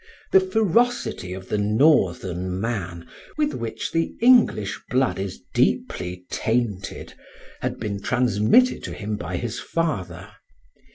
The ferocity of the Northern man, with which the English blood is deeply tainted, had been transmitted to him by his father.